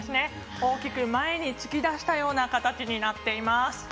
大きく前に突き出したような形になっています。